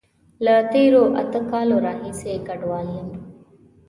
له تیرو اته کالونو راهیسی کډوال یم